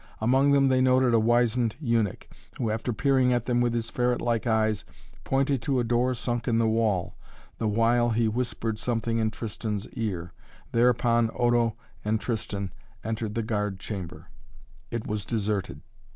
Among them they noted a wizened eunuch, who, after peering at them with his ferret like eyes, pointed to a door sunk in the wall, the while he whispered something in Tristan's ear. Thereupon Odo and Tristan entered the guard chamber. It was deserted.